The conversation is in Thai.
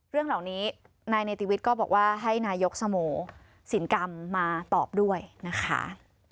เรื่องเหล่านี้นายเนติวิทย์ก็บอกว่าให้นายกสโมสินกรรมมาตอบด้วยนะคะ